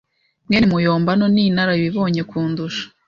mwene muyombano ni inararibonye kundusha.